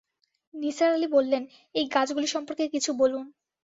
নিসার আলি বললেন, এই গাছগুলি সম্পর্কে কিছু বলুন।